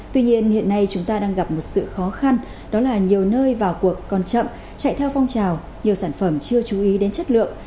tuy nhiên hiện nay chúng ta đang gặp một sự khó khăn đó là nhiều nơi vào cuộc còn chậm chạy theo phong trào nhiều sản phẩm chưa chú ý đến chất lượng